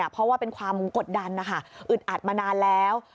เพราะว่าเป็นความกดดันนะคะอึดอัดมานานแล้ว